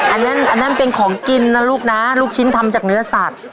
อันนั้นเป็นของกินนะลูกนะลูกชิ้นทำจากเนื้อสัตว์